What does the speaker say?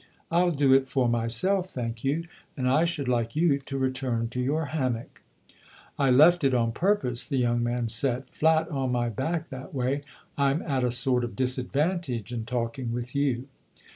" I'll do it for myself, thank you ; and I should like you to return to your hammock," I 3 8 ^HE OTHER HOUSE " I left it on purpose/' the young man said. "Flat on my back, that way, I'm at a sort of disadvantage in talking with you."